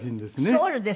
ソウルですか？